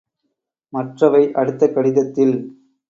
மற்றவை அடுத்த கடிதத்தில்.